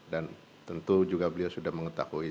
dan tentu juga beliau sudah mengetahui